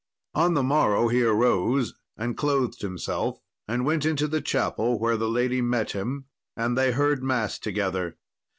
On the morrow he arose and clothed himself, and went into the chapel, where the lady met him, and they heard mass together.